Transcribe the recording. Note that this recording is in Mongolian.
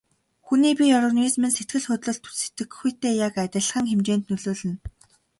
Хүний бие организм нь сэтгэл хөдлөлд сэтгэхүйтэй яг адилхан хэмжээнд нөлөөлнө.